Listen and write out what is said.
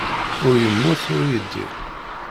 Ur yemmut, ur yeddir.